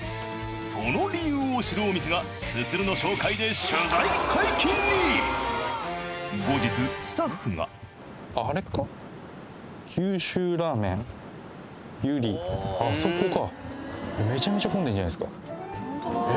その理由を知るお店がＳＵＳＵＲＵの紹介で取材解禁に後日スタッフがあそこか。